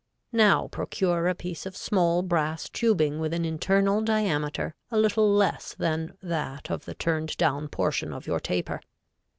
Now procure a piece of small brass tubing with an internal diameter a little less than that of the turned down portion of your taper.